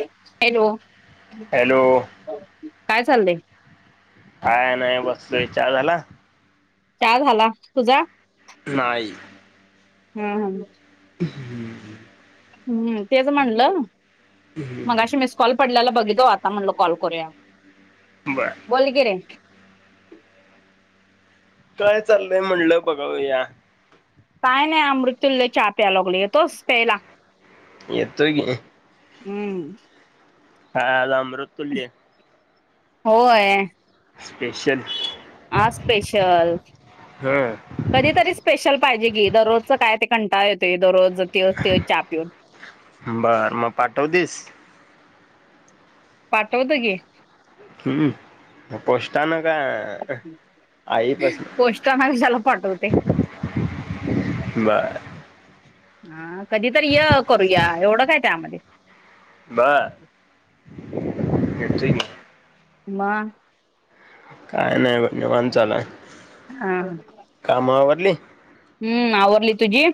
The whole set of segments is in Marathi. हॅलो, हॅलो काय चाललंय? काय नाही बसलोय चहा झाला चा झाला. तुझा? नाही. हं हा हा. [inaudible] हम् तेच म्हणलं, मगाशी मिस कॉल पडल्याल बघितलो आता म्हणलं कॉल करूया, बर बोल की रे. काय चाललंय म्हणलं बघूया. काय नाही अमृत्युल्य चहा प्याय लागलोय येतोस प्यायला. येतो की. हम. हा आज अमृत्युल्य. होय. स्पेशल आज स्पेशल हम्म कधीतरी स्पेशल पाहिजे की दररोज काय ते कंटाळा येतोय दररोज त्योच त्योच चहा पिऊन. बर मग पाठवतेस पाठवतो की. हम पोस्टान. काय आई पसनं. पोस्टानं कशाला पाठवते. बरं. हा कधीतरी य करूया एवढं काय त्यामध्ये. बरं येतो की. म काय नाही ब निवांत चालूयं. हा. कुठली? हम्म आवरली तुझी.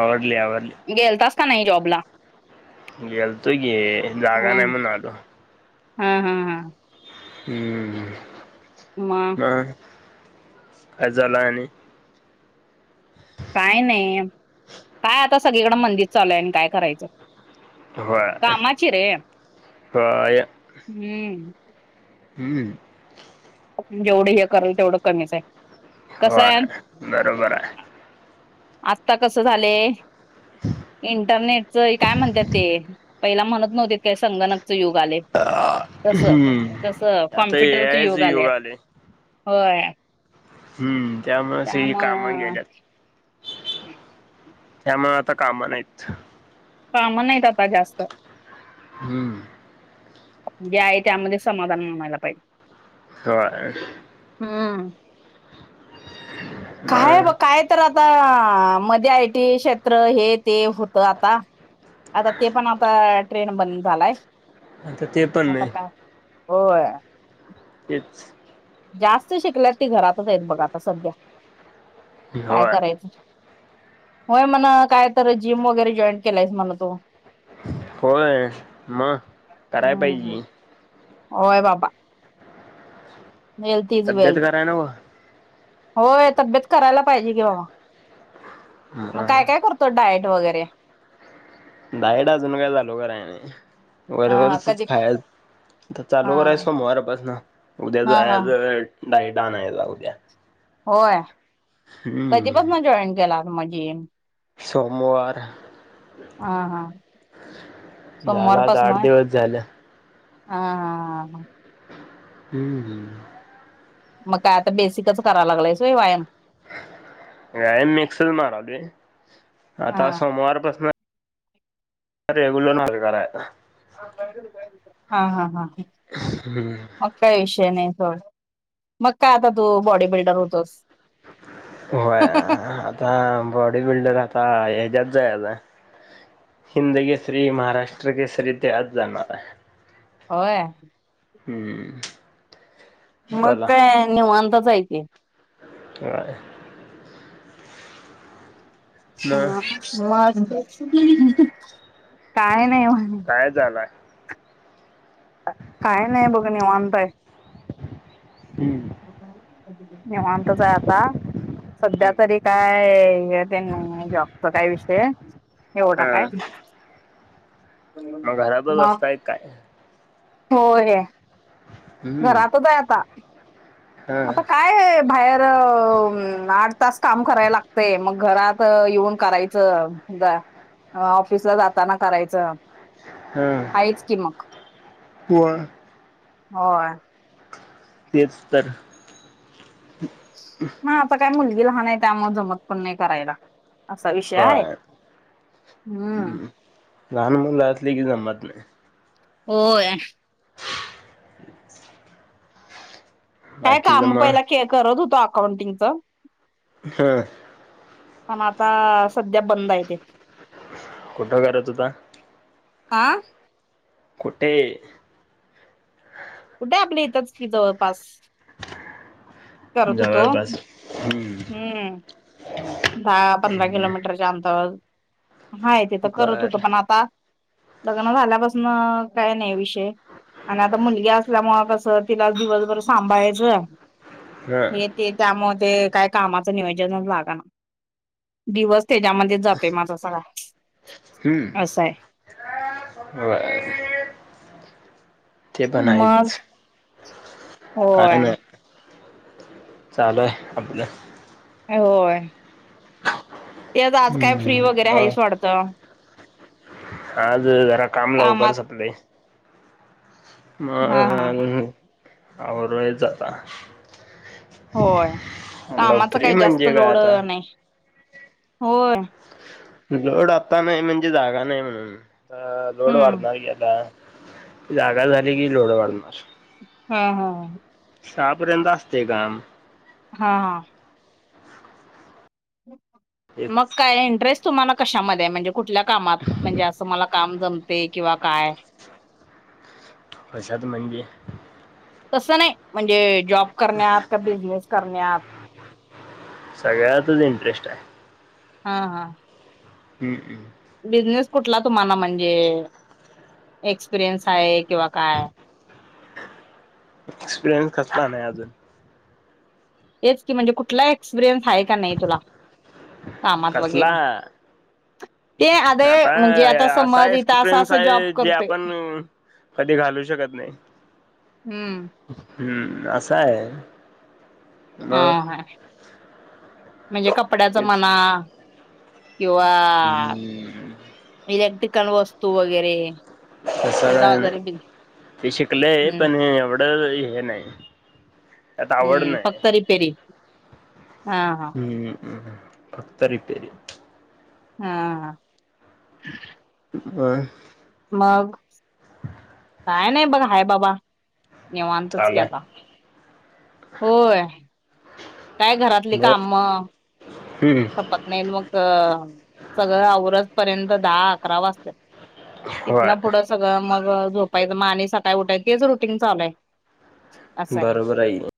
आवरली आवरली. गेलतास का नाही जॉबला? गेलतोय गे, जागा नाही म्हन आलो. हां-हां-हां हम्म, मग म? काय जालूआय आणि? काय नाई, काय आता सगळीकडं मंदि चालूआय आणि काय करायचं? व्हय, कामाची रे व्हय. हम्म हम्म जेवढं हे करल तेवढं कमीच आय. व्हय, बरोबर आय. आत्ता कसं झाले, इंटरनेट चय काय म्हणत्यात ते, पहिला म्हणत नव्हतीत काय संगणक. युग आले तसं, हम्म तसं आता ए कॉम्प्युटरचं आयच युग आले आत. होय हम्म त्यामुळं सगळी कामं त्यामुळं गेल्यात. [inaudible] त्यामुळं आता कामं नाहीत. कामं नाहीत आता जास्त. हम्म जे आहे त्यामध्ये समाधान मनाला पाहिज. व्हय. हम् काय ब मग काय तर आता मध्ये आयटी क्षेत्र हे ते होतं आता, आता ते पण आता ट्रेंड बंद झालाय. आता ते पण आता नाही. काय होय [inaudible] जास्त शिकल्यात ती घरातच आहेत बघ आता सध्या. काय होय करायचं? होय म्हणं काय तर जिम वगैरे जॉईन केलायस म्हण तू? होय म कराय पाहिजे. ओय बाबा. हेल्थ इज तब्येत वेल्थ. कराय नव होय तब्येत करायला पाहिजे कि बावा. मग काय काय करतो डायट? वगैरे डायट अजून काय जालू कराय नई. हा हा वरवरचंच कधी खाय त हा चालू कराय सोमवारपासनं, उद्या हा हा जायचं डायट आणायला उद्या. होय, हम्म कधीपसनं जॉईन केला मजी? सोमवार हा हा झाला आता आठ दिवस झालं. हां-हां-हां-हां हम्म-हम्म मग काय आता बेसिकच कराय लागलायस वय वायाम. नाई मिक्सच मारालोय. हा आता सोमवारपसनं रेगूलर [unintelligible] कराय. हां-हां-हां-हां, मग काय विषय नाई. हो मग काय आता तू बॉडी बिल्डर होतोस. होय आता बॉडी बिल्डर आता हेच्यात. हिंद केसरी. महाराष्ट्र केसरी. तेच्यात जाणार आहे. होय. हम्म. मग काय निवांतच आहे की. व्हय. मग हा बसलोय अजून. काय नाही बग. काय झालाय? काय नाही बघ निवांत हाय. हम्म. निवांतच हाय आता. सध्या हम्म तरी काय हे तेन जॉबच काय विषय. एवढा काय. हा मग घरातच मग असताय काय? होय. हम्म. घरातच आहे आता [inaudible] हा आता काय बाहेर आठ तास काम करायला लागतय, मग घरात [inaudible] येऊन करायचं, जा ऑफिस ला जाताना करायचं, [inaudible] हम आहेच की मग पण [inaudible] होय तेच तर [inaudible] ह आता काय मुलगी लहान आहे त्यामुळ जमत पण नाही करायला. [inaudible] विषय आहे काय हम्म हम् लहान मुल असले की जमत नाही. [unintelligible] होय काय बाकी काम जमा पहिला के करत होतो अकाउंटिंगच [inaudible] हा पण आता सध्या बंद आहे ते. [inaudible] कुठं करत होता? आा [inaudible] कुठे? कुठ आपल्या हितच की जवळपास करत होतो. जवळपास हम्म [inaudible] दहा- पंधरा किलोमीटरच्या अंतवरवर [inaudible] हाय तीत करत बर होतो, पण आता लग्न झाल्यापासून काय नाही विषय [inaudible] आणि आता मुलगी असल्यामुळ कसं तिला दिवसभर सांभाळायचं. [inaudible] हा हे -ते त्यामुळ ते काय कामाच नियोजनच लागना दिवस त्याच्यामध्येच जातोय माझा सगळा हम्म असं आहे बर [inaudible] ते पण मग हायच [inaudible] होय- चालू आहे आपल- होय- ते आता आज काय हम्म फ्री वगैरे ह आहेस वाटतं - आज जरा काम लवकर सपलंय- हा हा अ आवरायच आता- होय कामाच लवकरी काही जास्त म्हणजे काय लोड आता नाही होय- लोड आता नाही म्हणजे जागा नाही म्हणून लोड हम्म वाढणार की आता- जागा झाली कि लोडवाडणार- हा -हा सहापर्यंत असतय काम- हा -हा मग तेच काय इंटरेस्ट तुम्हाला कशामध्ये म्हणजे कुठल्या कामात म्हणजे असं मला- काम जमते किंवा काय- कशात म्हणजे तसं नाही म्हणजे जॉब करण्यात का बिझनेस करण्यात- सगळ्यातच इंटरेस्ट आहे. [inaudible] हा -हा हम-हम- बिझनेस कुठला तुम्हाला म्हणजे- एक्सपिरियन्स आहे किंवा काय? एक्सपिरियन्स कसला नाही अजून? हेच की म्हणजे कुठला एक्सपिरियन्स हाय का नाही तुला? कामात कसला वगैरे. ते आदे आता म्हणजे आता असा समज इथ असं एक्सपिरियन्स असं जॉब आहे जे करतोय, आपण कधी घालू शकत नाही. हम्म. हम्म असाय. ह-ह हाय म्हणजे कपड्याच तेच मना किंवा हम्म इलेक्ट्रिकल वस्तू वगैरे. तस त्याचा काय नाही. वगैरे बिल ते शिकलय, हम्म पण एव ड हे नाही. त्यात आवड हम्म नाही फक्त रिपेरी हा-हा. हम्म फक्त रिपेरी हां हां. होय. मग काय नाही बघ, हाय बाबा. निेवांतच की चालू आता. आहे होय. काय घरातली बर कामं हम्म संपत नाहीत मग, सगळं आवरसपर्यंत दहा, अकरा वाजत्यात. इथन होय पुढं सगळं मग झोपायचं म आणि सकाळी उठायच, तेच रुटीन चालूय. बरोबर हाय कि ओ.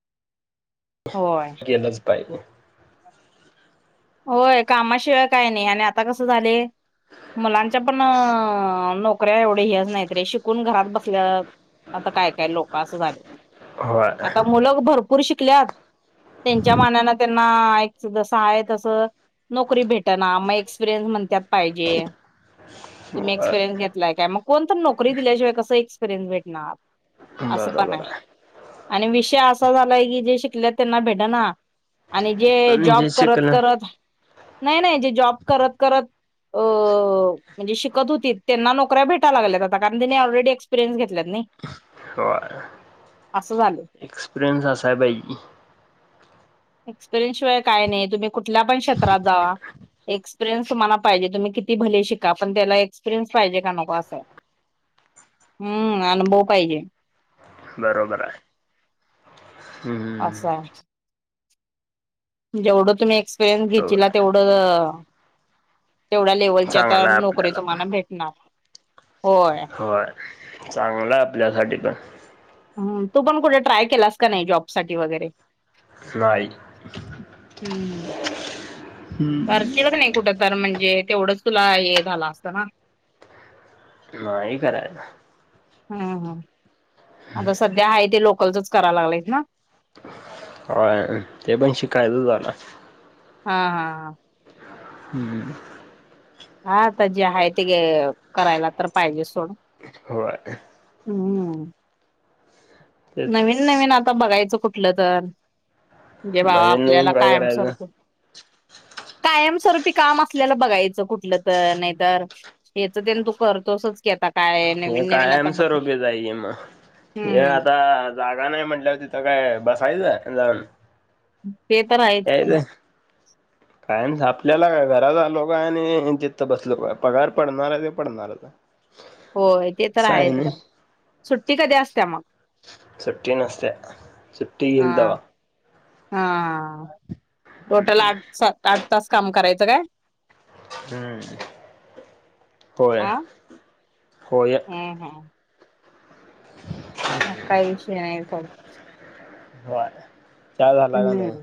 होय केलंच पाहिजे. होय, कामाशिवाय काय नाही आणि आता कसं झालय मुलांच्या पण, नोकऱ्या एवढ्या ह्याच नाहीत रे, शिकून घरात बसल्यात आता काय-काय लोक असं झाले. होय आता मुल भर पूर शिकल्यात. त्यांच्या मानान त्यांना एक जसा आहेत तस नोकरी भेटना, म एक्सपिरयन्स म्हणत्यात पाहिजे. तुम्ही होय एक्सपिरियन्स घेतलाय काय, मग कोण तर नोकरी दिल्याशिवाय कसं एक्सपिरियनस भेटणार? असं पण आहे. आणि विषय असा झालाय की, जे शिकल्यात त्यांना भेटना आणि जे जॉब म्हणजे शकल करत-करत, नाही-नाही जे जॉब करत-करत अ म्हणजे शिकत होतीत, त्यांना नोकऱ्या भेटा लागल्यात आता कारण त्यांनी ऑलरेडी एक्सपिरियन्स घेतल्यात नाही. होय. असं झालंय. एक्सपिरियंस असाय पाहिजे की. एक्सपिरियन्स शिवाय काय नाही. तुम्ही कुठल्या पण क्षेत्रात जावा. एक्सपिरियन्स तुम्हाना पाहिजे. तुम्ही किती भले शिका, पण त्याला एक्सपिरियनस पाहिजे का नको असंय. हम्म, अनुभव पाहिजे. बरोबराय. असाय. जेवढं तुम्ही एक्सपिरियन् बरोबर घेचीला तेवढं तेवढ्या आहे लेवलच्या आता चांगला आहे नोकरी आपल्याला पण तुम्हाना भेटणार. होय. मोला आपल्यासाठी पण. हं तू पण कुठे ट्राय केलास का नाही जॉब साठी वगैरे? नाई. हम्, करतील क नई कुटं तर म्हणजे तेवढंच तुला हे झालं असता ना. नाही करायला. हम्म ह आता सध्या हा ते लोकलचच करा लागलात ना. होय ते पण शिकायचच जाणार. हा हा हा. हम्म. हां त जे हाय ते ग करायला तर पाहिजे सोड. होय. हम्म नवीन तेच नवीन आता बघायचं. कुठलं तर म्हणजे बाबा नवीन आपल्याला नवीन काय कायम करायचं स्वरूपी. कायमस्वरूपी काम असल्यालं बघायचं कुट् म्हटल तर नाही तर हे तू करतोसच. काय हे नवीन नवीन आता कायमच बघ रोबी जाईे मग. हे हम्म आता जागा नाही म्हंटल्यावर तिथं काय बसायचं जाऊन. ते तर आहेच की. ह. कायन झा आपल्याला घरात आलो काय आणि तिथं बसलो काय पगार पडणार आहे ते पडणारच आय. होय ते तर आहेच मग सुट्टी कधी असते मग. सुट्टी नसत्या, सुट्टी घील तवा. हां, टोटल आठ सा आठ तास काम करायचं काय? हम्म होय. हा होय हम्म हम्म. म काय विषय नाही. हो चाहा झाला का नाही.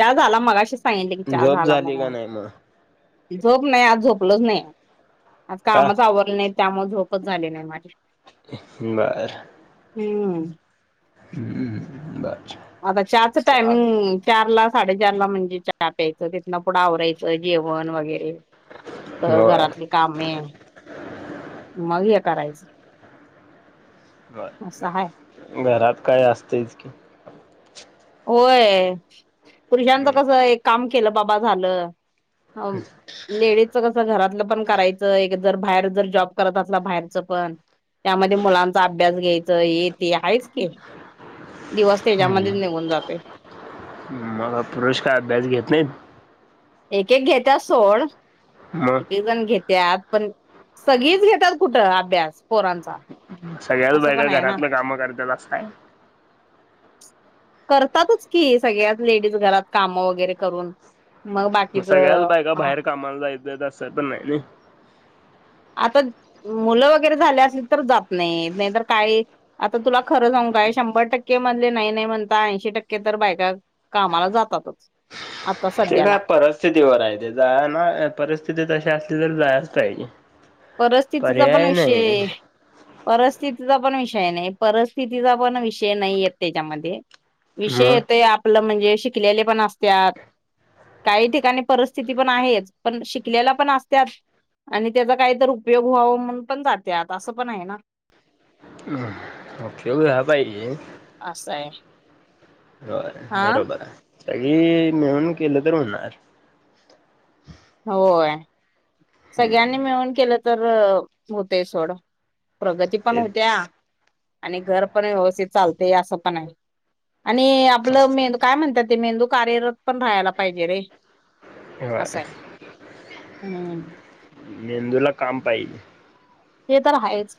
चा झाला मगशी सांगितले की चा झोप झाला झाली का मनून. नाही मग झोप नाही आज झोपलंच नाही. आ का कामच आवरलं नाही त्यामुळे झोपच झाली नाही माझी. बर. हम्म. हम्म बर आता चहाच चाल टायमिंग चार ला साडेचार ला म्हणजे चहा प्यायचं तिथं पुढं आवरायचं. [unintelligible] होय घरातली कामे. मग हे करायचं. असं हाय घरात काय असत इतकी. होय पुरुषांचं कस एक काम केलं बाबा झालं. हो लेडीज च कस घरात. कस पण करायच एक जर बाहेर जर जॉब करत असला बाहेर च पण त्या मध्ये मुलांचा अभ्यास. अभ्यास घ्यायच येते आहेच क दिवस त्याच्यामध्येच निघून. जातोय मग पुरुष काय अभ्यास घेत नाहीत. एक एक घेत्या सोड मग एक एक जण घेत्या. पण सगळीच घेेतात कुठं अभ्यास पोरांचा. सगळ्याच असं बहिग पण आहे ना घरातलं कामं करतात असंय. करतातच कि सगळ्यात लेडीज घरात काम वगैरे करून. मग सगळ्याच बाय का बाहेर कामाला जायचं तसंय पण नाही नाही. आता मुलं वगैरे झाले असली तर जात नाही नाहीतर काय आता तुला खरं सागुका काही शंभर टक्के मधले नाही नाही म्हणता ऐंशी टक्के तर बायका कामाला जातातच. आता ते सध्याला काय परिस्थितीवर आहे ते जा ना परिस्थिती तशी असली तर जायच पाहिजे. परस्थितीचा पण पर्याय नाही विषय परिस्थितीचा. पण विषय नाही परिस्थितीचा पण विषय नाही येत त्याच्यामध्ये. विषय मग येत आपलं म्हणजे शिकलेले पण असतात काही ठिकाणी. परस्थिती पण आहेच. पण शिकल्याला पण असत्यात आणि त्याचा काही तर उपयोग व्हाव म्हण पण जाते आता असं पण आहे ना. हम ओके व ह पाहिरी. आस हाय. होय बरोबर हाय. सगळी मिळून केलं तर हुणार. होय, सगळ्यांनी मिळून केलं तर हुतय सोड. प्रगती पण तेच हुतिया आणि घर पण व्यवस्थित चालत या असं पण आहे. आणि आपलं मेंदू काय म्हणतात ते मेंदू कार्यरत पण राहायला पाहिजे रे असं हय आहे हम्म मेंदूला काम पाहिल हे तर आहेच